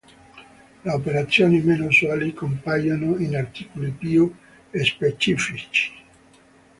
Le operazioni meno usuali compaiono in articoli più specifici.